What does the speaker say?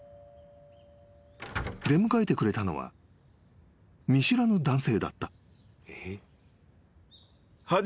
［出迎えてくれたのは見知らぬ男性だった］